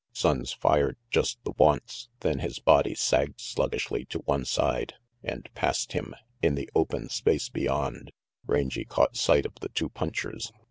Sonnes fired, just the once, then his body sagged sluggishly to one side, and past him, in the open space beyond, Rangy caught sight of the two punchers.